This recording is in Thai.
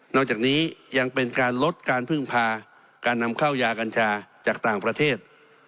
จากนี้ยังเป็นการลดการพึ่งพาการนำเข้ายากัญชาจากต่างประเทศ